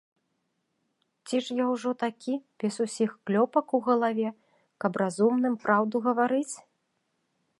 Ці ж я ўжо такі, без усіх клёпак у галаве, каб разумным праўду гаварыць?